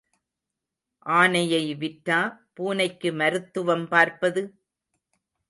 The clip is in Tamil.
ஆனையை விற்றா பூனைக்கு மருத்துவம் பார்ப்பது?